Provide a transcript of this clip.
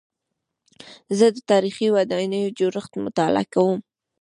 زه د تاریخي ودانیو جوړښت مطالعه کوم.